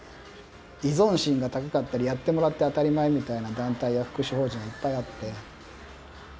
依存心が高かったりやってもらって当たり前みたいな団体や福祉法人はいっぱいあって。